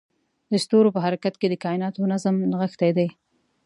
د ستورو په حرکت کې د کایناتو نظم نغښتی دی.